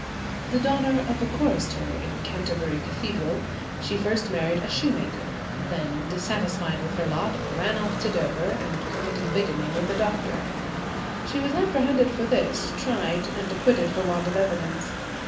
The daughter of a chorister in Canterbury Cathedral, she first married a shoemaker; then, dissatisfied with her lot, ran off to Dover and committed bigamy with a doctor. She was apprehended for this, tried, and acquitted for want of evidence.